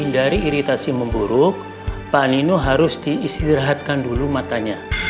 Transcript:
dari iritasi memburuk pak nino harus diistirahatkan dulu matanya